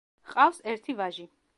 ჰყავს ერთი ვაჟი.